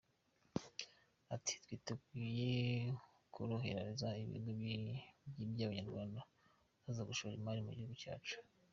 Ati” Twiteguye korohereza ibigo by’abanyarwanda bazaza gushora imari mu gihugu cyacu.